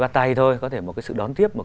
bắt tay thôi có thể một cái sự đón tiếp